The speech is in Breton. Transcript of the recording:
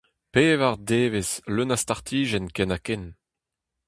Pevar devezh leun a startijenn ken-ha-ken.